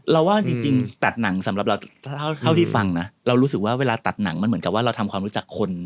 ว่าจริงตัดหนังสำหรับเราเท่าที่ฟังนะเรารู้สึกว่าเวลาตัดหนังมันเหมือนกับว่าเราทำความรู้จักคน